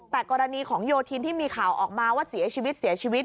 แต่กรณีของโยธินที่มีข่าวออกมาว่าเสียชีวิตเสียชีวิต